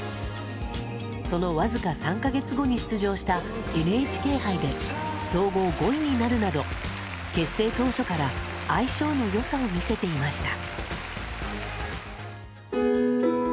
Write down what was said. その僅か３か月後に出場したＮＨＫ杯で、総合５位になるなど、結成当初から相性のよさを見せていました。